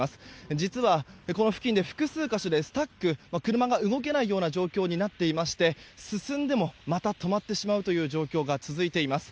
実はこの付近で複数箇所でスタック車が動けないような状況になっていまして進んでも、また止まってしまうという状況が続いています。